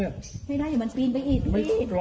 ไม่ได้อย่ามันพีมไปเห็น